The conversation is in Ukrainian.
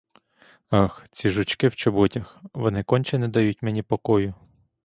Ах, ці жучки в чоботях, вони конче не дають мені покою!